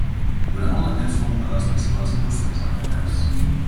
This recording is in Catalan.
Durant molt de temps fou una de les principals indústries del Pallars.